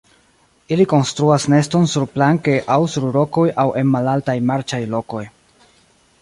Ili konstruas neston surplanke aŭ sur rokoj aŭ en malaltaj marĉaj lokoj.